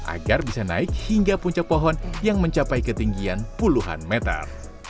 agar bisa naik hingga puncak pohon yang mencapai ketinggian puluhan meter